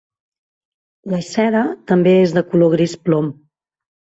La cera també és de color gris plom.